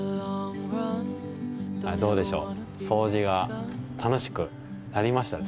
どうでしょう。